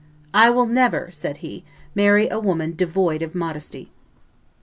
"I will never," said he, "marry a woman devoid of modesty."